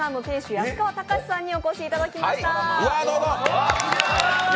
安川隆司さんにお越しいただきました。